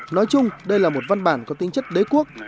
nói chung đây là một văn bản có tính chất đế quốc